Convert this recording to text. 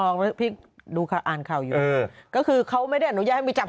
นิดหนึ่งเอาไหมพี่